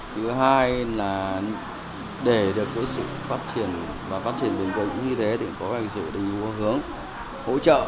thứ hai là để được cái sự phát triển và phát triển bền vững như thế thì cũng có phải sự định hướng hỗ trợ